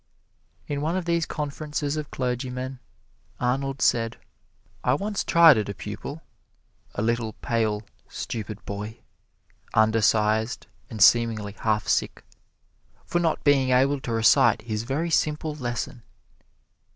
In one of these conferences of clergymen, Arnold said: "I once chided a pupil, a little, pale, stupid boy undersized and seemingly half sick for not being able to recite his very simple lesson.